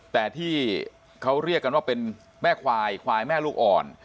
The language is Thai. แต่ที่เขาเรียกกันว่าเป็นแม่ควายควายแม่ลูกอ่อน